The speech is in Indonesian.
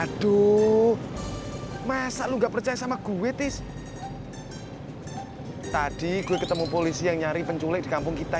aduh masa lu nggak percaya sama gue tis tadi gue ketemu polisi yang nyari penculik di kampung kita